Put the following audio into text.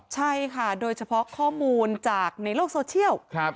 ใช่ค่ะโดยเฉพาะข้อมูลจากในโลกโซเชียล